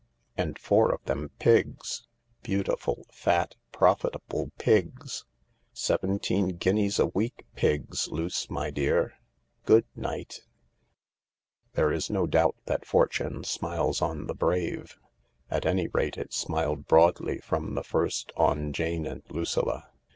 And four of them Pigs — beautiful, fat, profitable Pigs ! Seventeen guineas a week Pigs, Luce, my dear ! Good night !" There is no doubt that fortune smiles on the brave ; at any rate, it smilea broadly from the first on Jane and Lucilla.